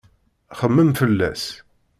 Xemmem fell-as.